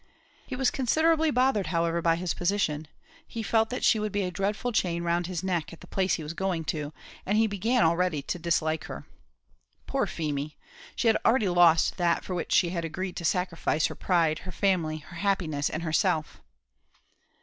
He was considerably bothered, however, by his position; he felt that she would be a dreadful chain round his neck at the place he was going to, and he began already to dislike her. Poor Feemy! she had already lost that for which she had agreed to sacrifice her pride, her family, her happiness, and herself.